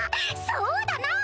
そうだな！